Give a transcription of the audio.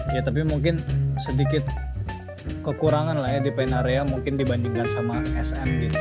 ya tapi mungkin sedikit kekurangan lah ya di pn area mungkin dibandingkan sama sm gitu